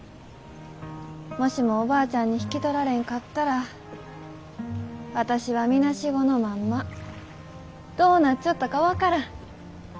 もしもおばあちゃんに引き取られんかったら私はみなしごのまんまどうなっちょったか分からん。